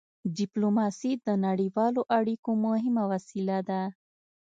ډيپلوماسي د نړیوالو اړیکو مهمه وسيله ده.